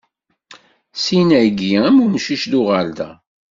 Sin-agi, am umcic d uɣerda.